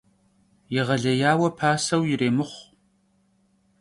Yêğelêyaue paseu yirêmıxhu.